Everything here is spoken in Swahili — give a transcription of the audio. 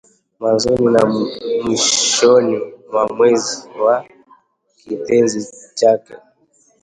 mwanzoni na mwishoni mwa mzizi wa kitenzi chake